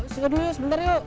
yang menjaga keamanan bapak reno